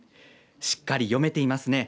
しっかり読めていますね。